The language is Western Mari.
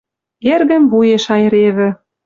Эргӹм вуеш айыревӹ